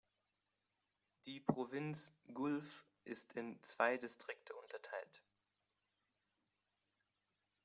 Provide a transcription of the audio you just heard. Die Provinz Gulf ist in zwei Distrikte unterteilt.